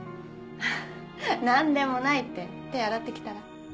フフ何でもないって手洗ってきたら？